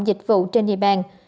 dịch vụ trên địa bàn